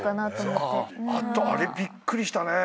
あとあれびっくりしたね。